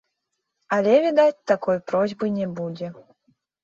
Але, відаць, такой просьбы не будзе.